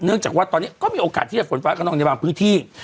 จากว่าตอนนี้ก็มีโอกาสที่จะฝนฟ้าขนองในบางพื้นที่